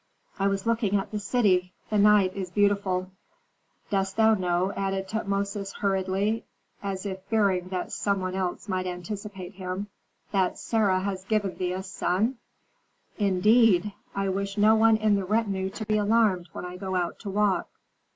"I was looking at the city. The night is beautiful." "Dost thou know," added Tutmosis, hurriedly, as if fearing that some one else might anticipate him, "that Sarah has given thee a son?" "Indeed? I wish no one in the retinue to be alarmed when I go out to walk."